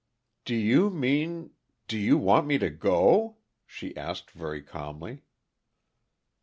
"Do you mean do you want me to go?" she asked very calmly.